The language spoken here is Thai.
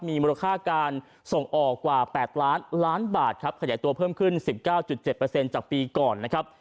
มีมูลค่าการส่งออกกว่า๘ล้านล้านบาทครับขยายตัวเพิ่มขึ้น๑๙๗จากปีก่อนนะครับ